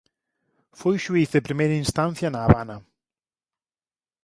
Foi xuíz de primeira instancia na Habana.